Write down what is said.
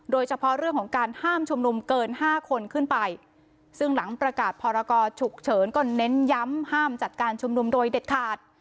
โดยเฉพาะเรื่องของการห้ามชุมนุมเกินห้าคนขึ้นไปซึ่งหลังประกาศพรกรฉุกเฉินก็เน้นย้ำห้ามจัดการชุมนุมโดยเด็ดขาด